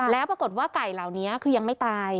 แล้วปรากฏว่าไก่เหล่านี้คือยังไม่ตาย